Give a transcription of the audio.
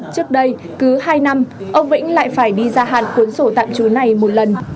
trước đây cứ hai năm ông vĩnh lại phải đi ra hạn cuốn sổ tạm trú này một lần